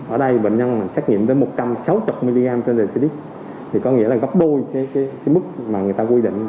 ở đây bệnh nhân xét nghiệm tới một trăm sáu mươi mg trên dd thì có nghĩa là gấp đôi cái mức mà người ta quy định